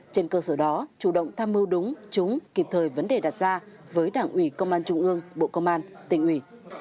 trên cơ sở đó chủ động tham mưu đúng trúng kịp thời vấn đề đặt ra với đảng ủy công an trung ương bộ công an tỉnh ủy